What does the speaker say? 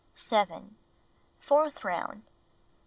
Fourth round.